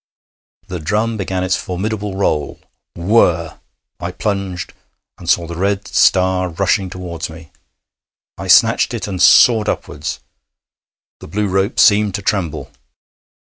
The drum began its formidable roll. Whirrr! I plunged, and saw the red star rushing towards me. I snatched it and soared upwards. The blue rope seemed to tremble.